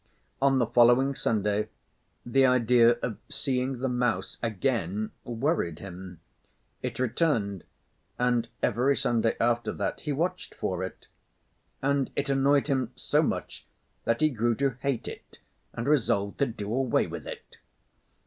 On the following Sunday, the idea of seeing the mouse again worried him. It returned; and every Sunday after that he watched for it; and it annoyed him so much that he grew to hate it and resolved to do away with it.